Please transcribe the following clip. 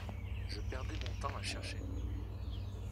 Je perdais mon temps à chercher.